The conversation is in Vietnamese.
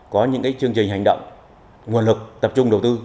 có những chương trình hành động nguồn lực tập trung đầu tư